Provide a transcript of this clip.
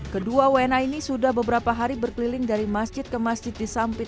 kedua wna ini sudah beberapa hari berkeliling dari masjid ke masjid di samping